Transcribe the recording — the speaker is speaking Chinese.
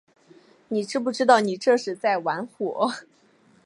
你知不知道你这是在玩火